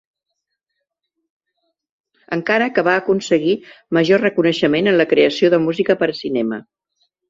Encara que va aconseguir major reconeixement en la creació de música per a cinema.